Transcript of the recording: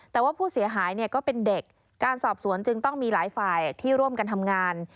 แต่ว่าผู้เสียหายเนี่ยก็เป็นเด็กการสอบสวนจึงต้องมีหลายฝ่ายที่ร่วมกันทำงาน